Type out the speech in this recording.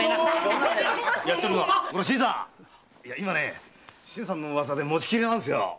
今新さんの噂で持ちきりですよ。